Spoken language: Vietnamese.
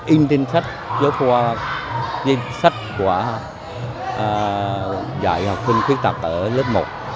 in tinh sách giới phòa tinh sách của dạy học sinh khuyết tật ở lớp một